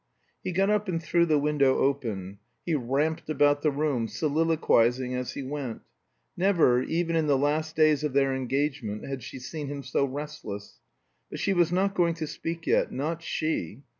He got up and threw the window open. He ramped about the room, soliloquizing as he went. Never, even in the last days of their engagement, had she seen him so restless. (But she was not going to speak yet; not she!)